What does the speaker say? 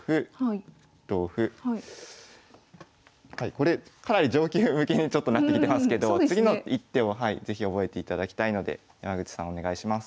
これかなり上級向けになってきてますけど次の一手を是非覚えていただきたいので山口さんお願いします。